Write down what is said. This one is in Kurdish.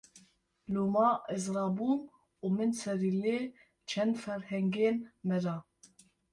Loma ez rabûm û min serî li çend ferhengên me da